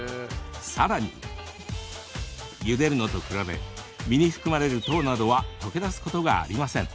さらに、ゆでるのと比べ実に含まれる糖などは溶け出すことがありません。